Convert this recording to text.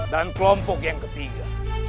dan kelompok yang ketiga